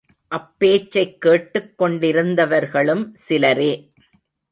அப் பேச்சைக் கேட்டுக் கொண்டிருந்தவர்களும் சிலரே.